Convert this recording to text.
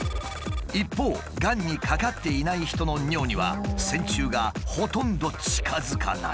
一方がんにかかっていない人の尿には線虫がほとんど近づかない。